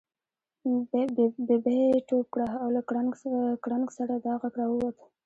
ببۍ ټوپ کړه او له کړنګ سره دا غږ را ووت.